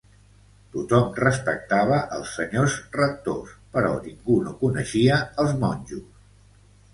Tothom respectava els senyors rectors, però ningú no coneixia els monjos.